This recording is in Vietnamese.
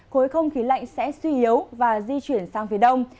khối không khí lạnh sẽ suy yếu và di chuyển sang phía đông